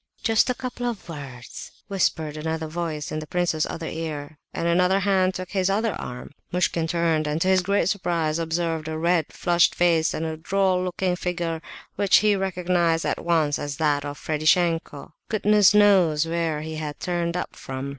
"Just a couple of words!" whispered another voice in the prince's other ear, and another hand took his other arm. Muishkin turned, and to his great surprise observed a red, flushed face and a droll looking figure which he recognized at once as that of Ferdishenko. Goodness knows where he had turned up from!